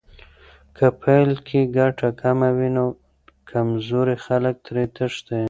که په پیل کې ګټه کمه وي، نو کمزوري خلک ترې تښتي.